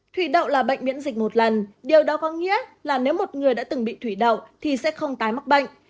thủy đậu là bệnh miễn dịch một lần điều đó có nghĩa là nếu một người đã từng bị thủy đậu thì sẽ không tái mắc bệnh